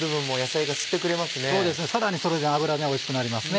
そうですねさらにそれで油おいしくなります。